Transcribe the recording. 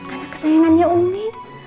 anak kesayangannya umi